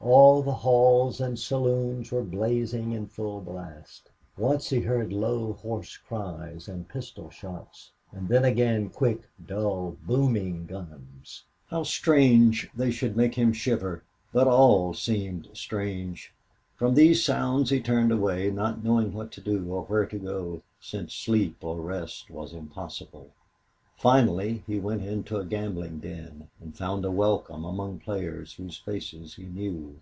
All the halls and saloons were blazing in full blast. Once he heard low, hoarse cries and pistol shots and then again quick, dull, booming guns. How strange they should make him shiver! But all seemed strange. From these sounds he turned away, not knowing what to do or where to go, since sleep or rest was impossible. Finally he went into a gambling den and found a welcome among players whose faces he knew.